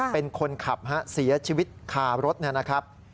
เป็นคนขับฮะเสียชีวิตคารถนะครับ